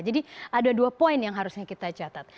jadi ada dua poin yang harusnya kita catat